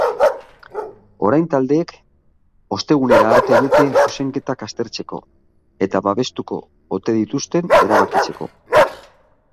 Orain taldeek ostegunera arte dute zuzenketak aztertzeko, eta babestuko ote dituzten erabakitzeko.